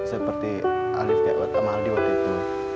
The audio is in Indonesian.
seperti alif sama vivaldi waktu itu